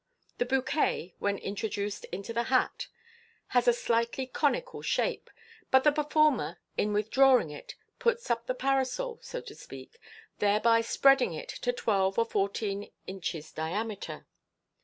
The bouquet, when introduced into the hat, has a slightly conical shape, but the performer in withdrawing it puts up the para sol, so to speak, thereby spreading it to twelve or fourteen inches' diameter.